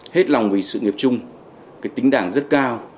hết lòng vì sự nghiệp chung cái tính đảng rất cao